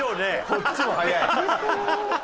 こっちも早い。